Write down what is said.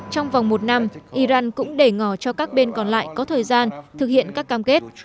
trong vòng một năm iran cũng để ngỏ cho các bên còn lại có thời gian thực hiện các cam kết